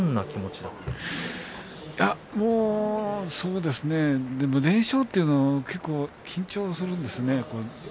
もう連勝というのは結構緊張するんですね。